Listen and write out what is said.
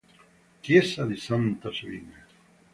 Chiesa di Santa Sabina